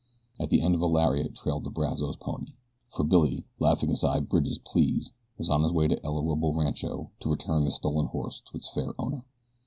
At the end of a lariat trailed the Brazos pony, for Billy, laughing aside Bridge's pleas, was on his way to El Orobo Rancho to return the stolen horse to its fair owner.